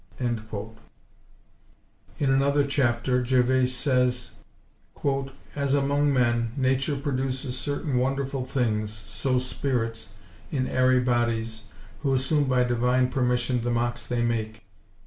In another chapter Gervase says—"As among men, nature produces certain wonderful things, so spirits, in airy bodies, who assume by divine permission the mocks they make.